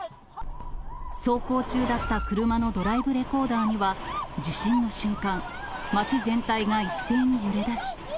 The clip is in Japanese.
走行中だった車のドライブレコーダーには、地震の瞬間、街全体が一斉に揺れだし。